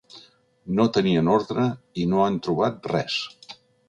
No tenien ordre i no han trobat res.